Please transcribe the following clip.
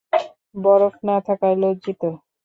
বরফ না থাকায় লজ্জিত।